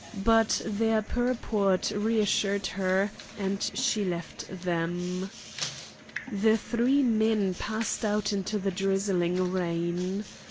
But their purport reassured her, and she left them. The three men passed out into the drizzling rain.